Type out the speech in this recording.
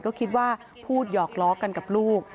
ก็คิดว่าพูดหยอกล้อกันกับลูก